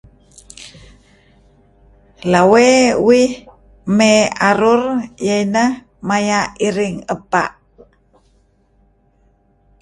Lawey uih may arur iyeh inah may mya' iring ebpa'.